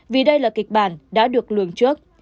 vì đây là kịch bản đã được lường trước